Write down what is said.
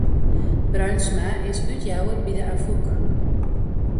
Bruinsma is útjouwer by de Afûk.